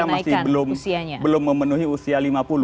tidak bisa karena saya masih belum memenuhi usia lima puluh